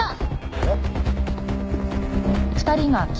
えっ？